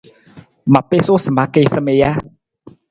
Ma piisu sa ma kiisa mi ja?